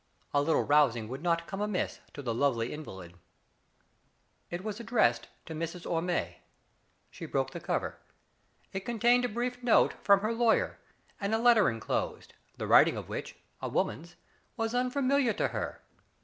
A little rousing would not come amiss to the lovely invalid. It was addressed to " Mrs. Orme." She broke the cover. It contained a brief note from her lawyer and a letter inclosed, the writing of which, a woman's, was unfamiliar to her.